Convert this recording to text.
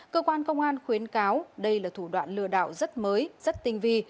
cơ quan công an khuyến cáo đây là thủ đoạn lừa đảo rất mới rất tinh vi